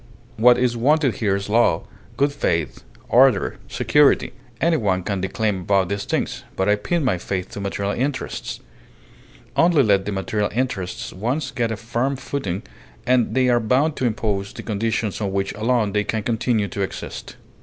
What is wanted here is law, good faith, order, security. Any one can declaim about these things, but I pin my faith to material interests. Only let the material interests once get a firm footing, and they are bound to impose the conditions on which alone they can continue to exist.